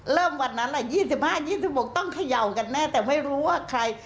วันนั้นแหละ๒๕๒๖ต้องเขย่ากันแน่แต่ไม่รู้ว่าใคร